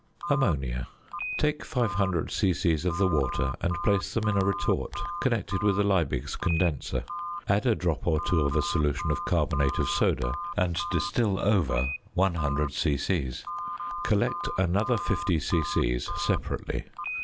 ~Ammonia.~ Take 500 c.c. of the water and place them in a retort connected with a Liebig's condenser. Add a drop or two of a solution of carbonate of soda and distil over 100 c.c.; collect another 50 c.c. separately.